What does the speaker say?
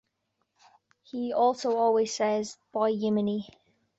He also always says 'By Yiminy!'.